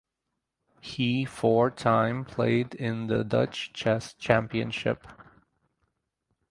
He four time played in the Dutch Chess Championship.